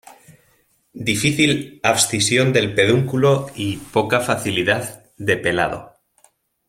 Difícil abscisión del pedúnculo y poca facilidad de pelado.